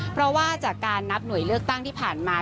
เพราะว่าจากการนับหน่วยเลือกตั้งที่ผ่านมา